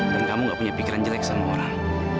dan kamu gak punya pikiran jelek sama orang